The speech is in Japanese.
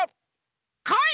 こい！